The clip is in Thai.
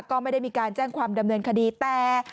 ก็ไม่ได้มีการแจ้งความดำเนินคดีแต่